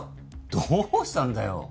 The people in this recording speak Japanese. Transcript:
どうしたんだよ？